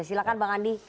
oke silahkan bang andi